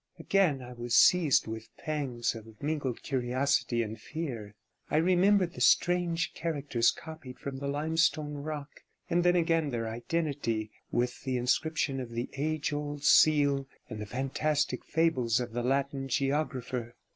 Again I was seized with pangs of mingled curiosity and fear; I remembered the strange characters copied from the limestone rock, and then again their identity with the inscription of the age old seal, and the fantastic fables of the Latin geographer.